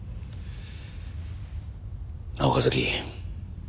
なあ岡崎。